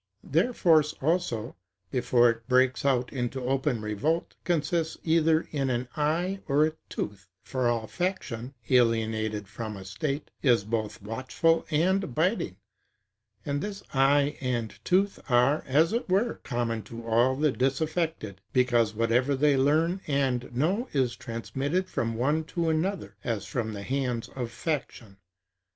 Their force, also, before it breaks out into open revolt, consists either in an eye or a tooth; for all faction, alienated from a state, is both watchful and biting; and this eye and tooth are, as it were, common to all the disaffected; because whatever they learn and know is transmitted from one to another, as by the hands of faction.